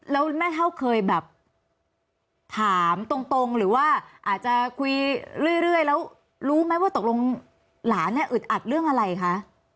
แล้วแม่เท่าเคยแบบถามตรงหรือว่าอาจจะคุยเรื่อยแล้วรู้ไหมว่าตกลงหลานเนี่ยอึดอัดเรื่องอะไรคะ